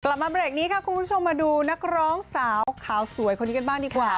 กลับมาเบรกนี้ค่ะคุณผู้ชมมาดูนักร้องสาวขาวสวยคนนี้กันบ้างดีกว่า